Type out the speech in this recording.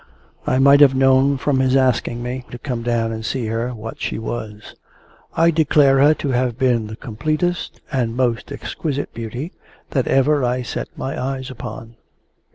I might have known, from his asking me to come down and see her, what she was. I declare her to have been the completest and most exquisite Beauty that ever I set my eyes upon.